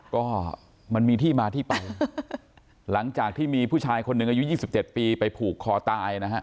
ก็มันมีที่มาที่ไปหลังจากที่มีผู้ชายคนหนึ่งอายุ๒๗ปีไปผูกคอตายนะฮะ